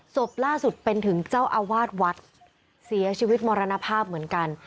ศพล่าสุดเป็นถึงเจ้าอาวาสวัดเสียชีวิตมรณภาพเหมือนกัน